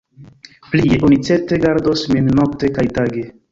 Plie, oni certe gardos min nokte kaj tage.